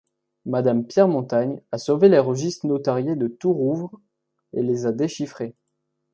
Madame Pierre Montagne a sauvé les registres notariés de Tourouvre et les a déchiffrés.